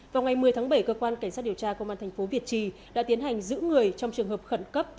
vào ngày một mươi tháng bảy cơ quan cảnh sát điều tra công an thành phố việt trì đã tiến hành giữ người trong trường hợp khẩn cấp